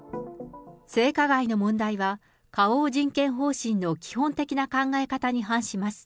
性加害の問題は、花王人権方針の基本的な考え方に反します。